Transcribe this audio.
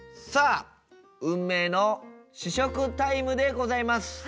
さあ運命の試食タイムでございます。